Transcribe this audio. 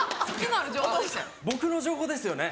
あっ僕の情報ですよね。